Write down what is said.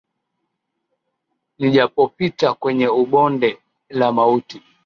Nijapopita kwenye ubonde la mauti.